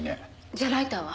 じゃあライターは？